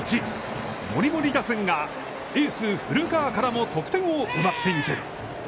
もりもり打線がエース古川からも得点を奪っていく。